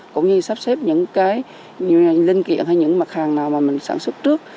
cũng như sắp xếp những cái linh kiện hay những mặt hàng nào mà mình sản xuất trước